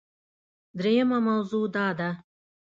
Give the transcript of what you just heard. دریمه موضوع دا ده